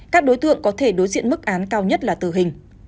các đối tượng có thể đối diện mức án cao nhất là tử hình